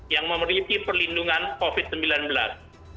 yang memiliki perlindungan covid sembilan belas